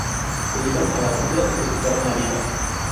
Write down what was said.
Se iban a la tundra y se quitaban la vida".